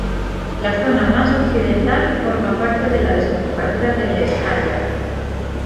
La zona más occidental forma parte de la desembocadura del Escalda.